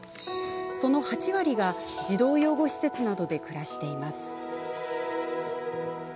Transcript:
その８割が、児童養護施設などで暮らしています。